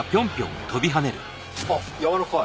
あっやわらかい。